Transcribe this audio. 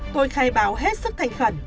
tôi khai báo hết sức thành khẩn